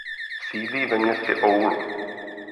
Sídlí ve městě Oulu.